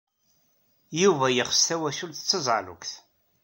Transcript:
Yuba yexs twacult d tazeɛlukt.